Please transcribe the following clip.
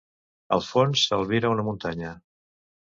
Al fons s'albira una muntanya.